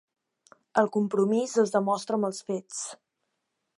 El compromís es demostra amb els fets.